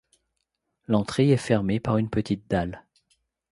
L'entrée est fermée par une petite dalle.